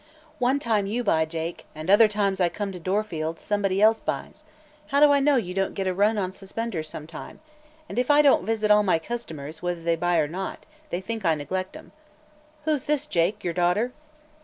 "One time you buy, Jake, and other times I come to Dorfield somebody else buys. How do I know you don't get a run on suspenders some time? And if I don't visit all my customers, whether they buy or not, they think I neglect 'em. Who's this, Jake? Your daughter?"